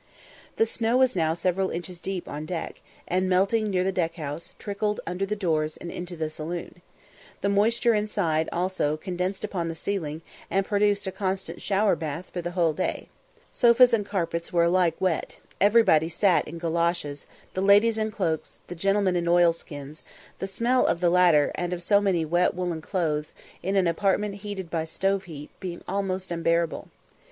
The snow was now several inches deep on deck, and, melting near the deck house, trickled under the doors into the saloon. The moisture inside, also, condensed upon the ceiling, and produced a constant shower bath for the whole day. Sofas and carpets were alike wet, everybody sat in goloshes the ladies in cloaks, the gentlemen in oilskins; the smell of the latter, and of so many wet woollen clothes, in an apartment heated by stove heat, being almost unbearable.